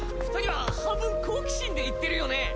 ２人は半分好奇心で言ってるよね！